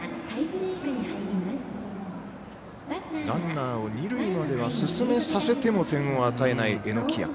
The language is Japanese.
ランナーを二塁までは進めさせても点を与えない榎谷。